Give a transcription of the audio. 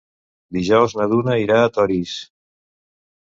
Dijous na Duna irà a Torís.